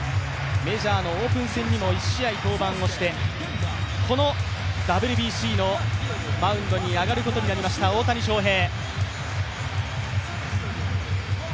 メジャーのオープン戦にも１試合登板をしてこのＷＢＣのマウンドに上がることになりました大谷翔平。